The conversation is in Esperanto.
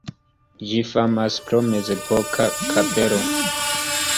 Ĝi famas pro mezepoka kapelo.